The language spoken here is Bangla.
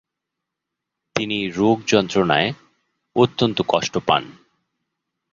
তিনি রোগযন্ত্রণায় অত্যন্ত কষ্ট পান।